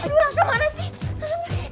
aduh raka mana sih